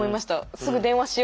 すぐ電話しよ。